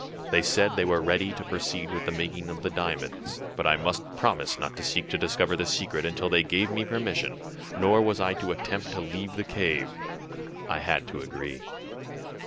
They said they were ready to proceed with the making of diamonds, but I must promise not to seek to discover the secret until they gave me permission, nor was I to attempt to leave the cave. I had to agree.